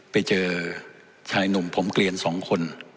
ไปเจอชายหนุ่มผมเกลียน๒คน